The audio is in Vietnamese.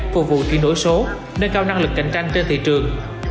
phục vụ chuyển đổi số nâng cao năng lực cạnh tranh trên thị trường